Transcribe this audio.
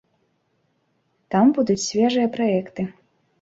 Там будуць свежыя праекты.